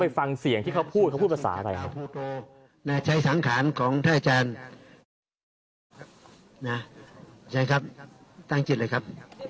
ฟังเสียงที่เขาพูดเขาพูดภาษาอะไรครับ